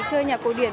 chơi nhạc cổ điển